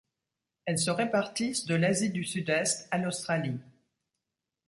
Elles se répartissent de l'Asie du Sud-Est à l'Australie.